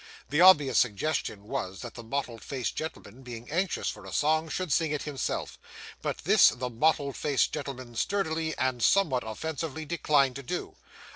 The obvious suggestion was, that the mottled faced gentleman, being anxious for a song, should sing it himself; but this the mottled faced gentleman sturdily, and somewhat offensively, declined to do.